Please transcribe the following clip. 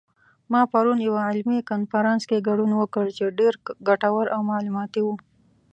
ما پرون یوه علمي کنفرانس کې ګډون وکړ چې ډېر ګټور او معلوماتي و